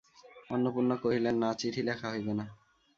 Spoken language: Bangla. অন্নপূর্ণা কহিলেন, না, চিঠি লেখা হইবে না।